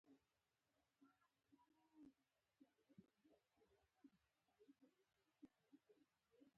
د وګړي په باطن کې دا تحول دی.